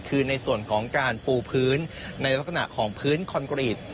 คือในส่วนของการปูพื้นในลักษณะของพื้นคอนกรีต